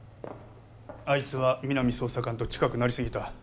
あいつは皆実捜査官と近くなりすぎた